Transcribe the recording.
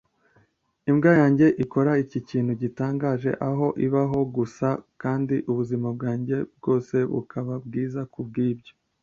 imbwa yanjye ikora iki kintu gitangaje aho ibaho gusa kandi ubuzima bwanjye bwose bukaba bwiza kubwibyo